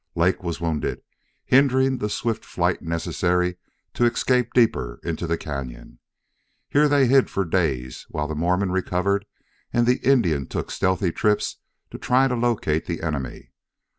Lake was wounded, hindering the swift flight necessary to escape deeper into the cañon. Here they hid for days, while the Mormon recovered and the Indian took stealthy trips to try to locate the enemy.